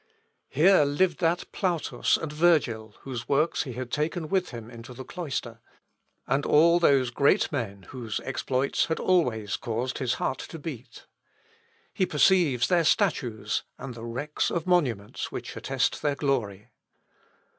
Here lived that Plautus and Virgil, whose works he had taken with him into the cloister, and all those great men whose exploits had always caused his heart to beat. He perceives their statues, and the wrecks of monuments which attest their glory.